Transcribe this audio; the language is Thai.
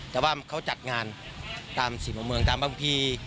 แต่ว่าเขาจัดงานตามสี่หัวเมืองตามบางที